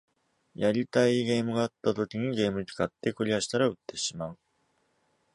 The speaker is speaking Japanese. やりたいゲームがあった時にゲーム機買って、クリアしたら売ってしまう